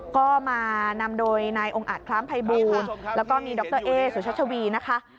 ก็มานำโดยนายองค์อาจคล้ามภัยบูลแล้วก็มีดรเอสุชัชวีนะคะ